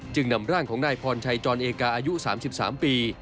นำร่างของนายพรชัยจรเอกาอายุ๓๓ปี